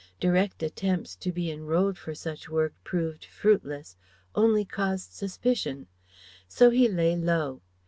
Direct attempts to be enrolled for such work proved fruitless, only caused suspicion; so he lay low.